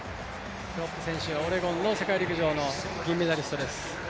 クロップ選手、オレゴンの世界陸上の銀メダリストです。